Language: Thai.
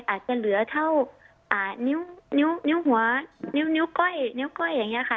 อาจจะเหลือเท่าอ่านิ้วนิ้วนิ้วหัวนิ้วนิ้วก้อยนิ้วก้อยอย่างเงี้ยค่ะ